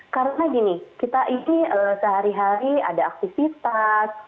karena gini kita ini sehari hari ada aktivitas